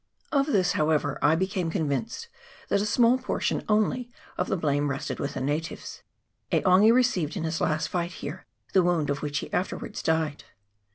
Of this, however, I became convinced, that a small por tion only of the blame rested with the natives. E'Ongi received in his last. fight here the wound of which he afterwards died.